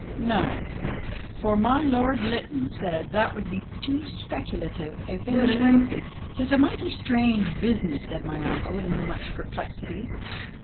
" No, for my Lord Lytton said that would be too speculative a venture." " 'Tis a mighty strange business," said my uncle, in much perplexity.